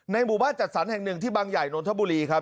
หมู่บ้านจัดสรรแห่งหนึ่งที่บางใหญ่นนทบุรีครับ